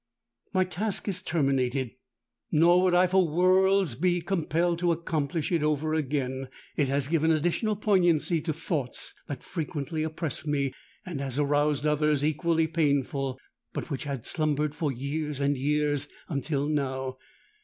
"My task is terminated: nor would I for worlds be compelled to accomplish it over again. It has given additional poignancy to thoughts that frequently oppress me, and has aroused others equally painful, but which had slumbered for years and years until now.